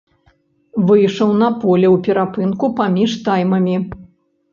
Выйшаў на поле ў перапынку паміж таймамі.